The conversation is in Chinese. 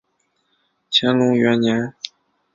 乾隆元年举博学鸿词科。